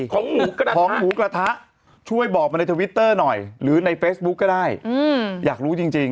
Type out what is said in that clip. ก็ได้ของหมูกระทะช่วยบอกมาในทวิตเตอร์หน่อยหรือในเฟซบุ๊กก็ได้อยากรู้จริง